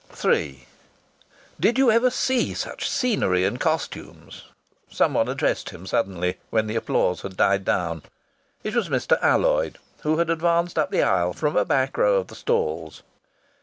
III "Did you ever see such scenery and costumes?" someone addressed him suddenly, when the applause had died down. It was Mr. Alloyd, who had advanced up the aisle from a back row of the stalls.